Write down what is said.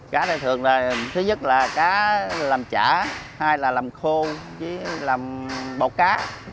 cá này thường là thứ nhất là cá làm chả hai là làm khô với làm bọt cá